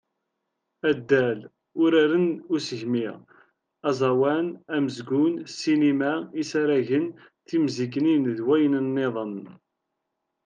Addal, uraren n usegmi, aẓawan, amezgun, ssinima, isaragen, timziknin d wayen-nniḍen.